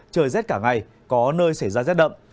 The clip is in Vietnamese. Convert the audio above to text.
trời rét cả ngày có nơi xảy ra rét đậm